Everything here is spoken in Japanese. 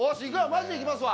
マジでいきますわ。